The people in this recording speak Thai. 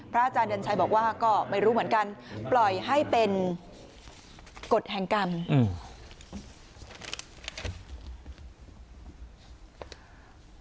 อาจารย์เดือนชัยบอกว่าก็ไม่รู้เหมือนกันปล่อยให้เป็นกฎแห่งกรรมอืม